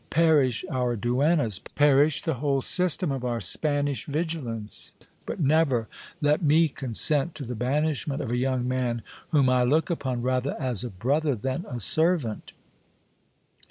Perish our duemias, perish the whole system of our Spanish vigilance ! but never let me consent to the banishment of a young man whom I look upon rather as a brother than a servant